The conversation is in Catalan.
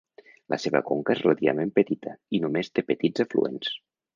La seva conca és relativament petita, i només té petits afluents.